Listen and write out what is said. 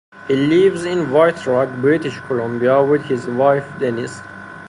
He lives in White Rock, British Columbia with his wife Denise.